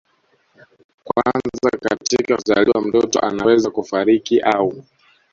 kwanza katika kuzaliwa mtoto anaweza kufariki au